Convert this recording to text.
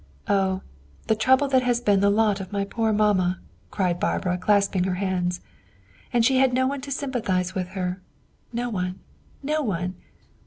Oh, the trouble that has been the lot of my poor mamma!" cried Barbara, clasping her hands. "And she had no one to sympathize with her no one, no one!